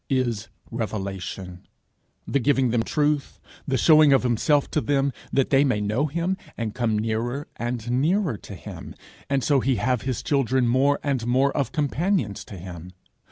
is revelation the giving them truth, the showing of himself to them, that they may know him, and come nearer and nearer to him, and so he have his children more and more of companions to him.